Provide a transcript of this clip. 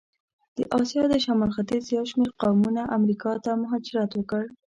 د آسیا د شمال ختیځ یو شمېر قومونه امریکا ته مهاجرت وکړ.